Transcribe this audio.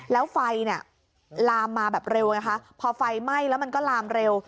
แล้วไฟลามมาแบบเร็วเพราะไฟไม่แล้วมันก็ลามเร็ว